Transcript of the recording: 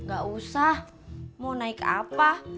gak usah mau naik apa